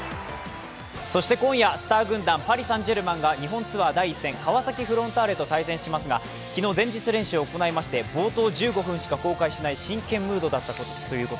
そして今夜、スター軍団、パリ・サン＝ジェルマンが日本ツアー第１戦川崎フロンターレと対戦しますが昨日、前日練習を公開しまして、真剣ムードだったと。